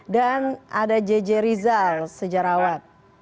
dan ada jj rizal sejarawat